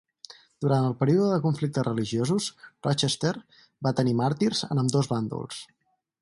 Durant el període de conflictes religiosos, Rochester va tenir màrtirs en ambdós bàndols.